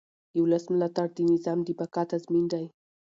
د ولس ملاتړ د نظام د بقا تضمین دی